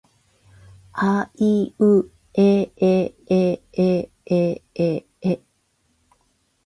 あいうえええええええ